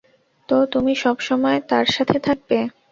তো তুমি সবসময় তার সাথে থাকবে।